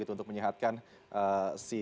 untuk menyihatkan si